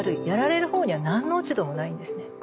やられる方には何の落ち度もないんですね。